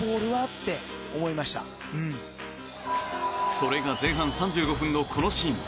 それが前半３５分のこのシーン。